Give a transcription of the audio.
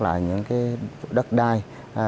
lại những cái đất đai